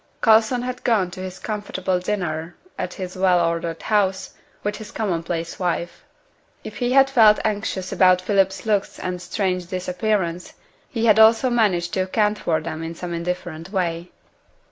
Coulson had gone to his comfortable dinner at his well ordered house, with his common place wife. If he had felt anxious about Philip's looks and strange disappearance, he had also managed to account for them in some indifferent way.